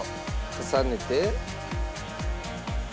重ねて。